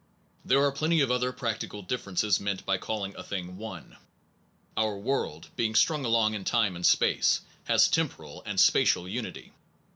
There are plenty of other practical differ ences meant by calling a thing One. Our world, being strung along in time and space, has tem poral and spatial unity.